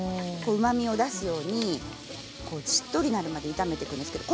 うまみを出すようにしっとりなるまで炒めていきます。